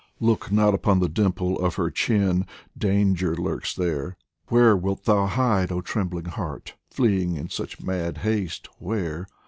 Look not upon the dimple of her chin, Danger lurks there ! Where wilt thou hide, oh trembling heart, fleeing in Such mad haste where